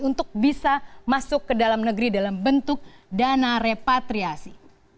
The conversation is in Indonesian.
untuk bisa masuk ke dalam negeri dalam bentuk dana repatriasi